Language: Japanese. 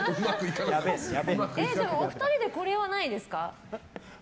でも、お二人でこれはないですか？